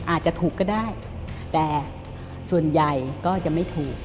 อาจจะถูกก็ได้แต่ส่วนใหญ่ก็จะไม่ถูก